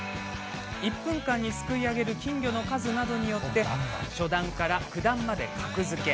１分間にすくい上げる金魚の数などによって初段から９段まで格付け。